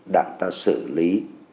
đảng ta xử lý